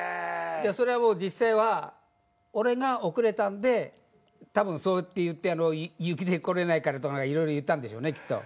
それは実際は俺が遅れたんでたぶんそうやって言って雪で来れないからとか色々言ったんでしょうねきっと。